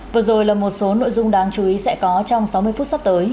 vừa rồi là một số nội dung đáng chú ý sẽ có trong sáu mươi phút sắp tới